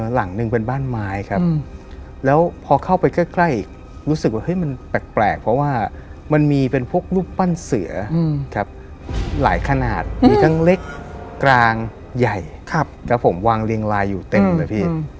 หลังหนึ่งเป็นบ้านไม้ครับแล้วพอเข้าไปใกล้อีกรู้สึกว่าเฮ้ยมันแปลกเพราะว่ามันมีเป็นพวกรูปปั้นเสือครับหลายขนาดมีทั้งเล็กกลางใหญ่ครับผมวางเรียงลายอยู่เต็มเลยพี่